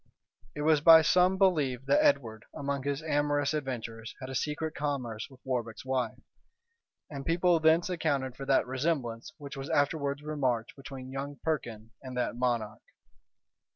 It was by some believed that Edward, among his amorous adventures, had a secret commerce with Warbec's wife; and people thence accounted for that resemblance which was afterwards remarked between young Perkin and that monarch.